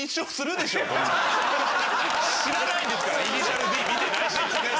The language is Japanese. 知らないんですから『頭文字Ｄ』見てないし。